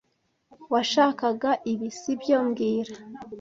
Washakaga ibi, sibyo mbwira